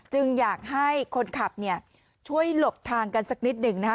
อยากให้คนขับเนี่ยช่วยหลบทางกันสักนิดหนึ่งนะคะ